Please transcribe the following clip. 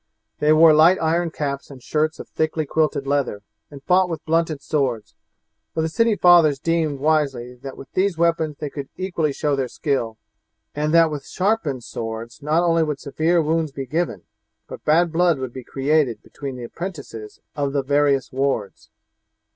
They wore light iron caps and shirts of thickly quilted leather, and fought with blunted swords, for the city fathers deemed wisely that with these weapons they could equally show their skill, and that with sharpened swords not only would severe wounds be given, but bad blood would be created between the apprentices of the various wards.